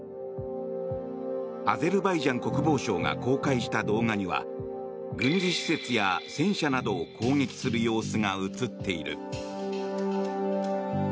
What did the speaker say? アゼルバイジャン国防省が公開した動画には軍事施設や戦車などを攻撃する様子が映っている。